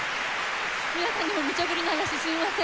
皆さんにもむちゃぶりすみません。